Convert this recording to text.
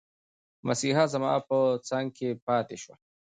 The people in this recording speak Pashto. مسیحا زما په څنګ کې پاتي شو.